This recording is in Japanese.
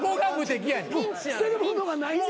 捨てるものがないねん。